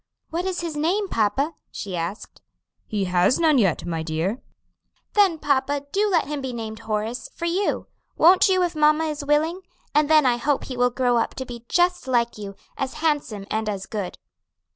"What is his name, papa?" she asked. "He has none yet, my dear." "Then, papa, do let him be named Horace, for you; won't you if mamma is willing? And then I hope he will grow up to be just like you; as handsome and as good."